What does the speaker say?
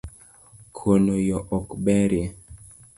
Kono yoo ok berie